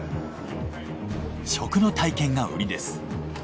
食の体験が売りです。